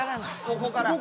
ここから。